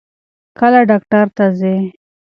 کله ډاکټر ته ځې؟